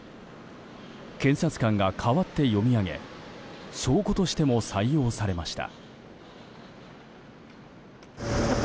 検察官が代わって読み上げ証拠としても採用されました。